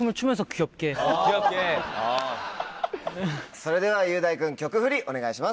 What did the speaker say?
それでは雄大君曲フリお願いします。